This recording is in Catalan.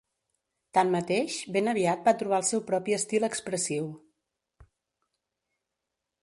Tanmateix, ben aviat va trobar el seu propi estil expressiu.